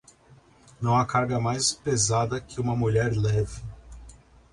Não há carga mais pesada que uma mulher leve.